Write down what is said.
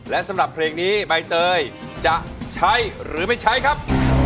และสำหรับเพลงนี้ใบเตยจะใช้หรือไม่ใช้ครับ